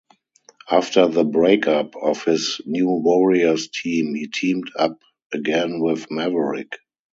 After the break-up of his New Warriors team, he teamed up again with Maverick.